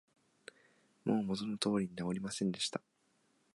もう元の通りに直りませんでした